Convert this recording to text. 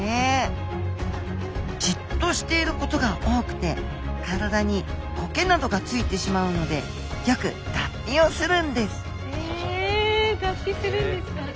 じっとしていることが多くて体にコケなどがついてしまうのでよく脱皮をするんですへえ脱皮するんですか。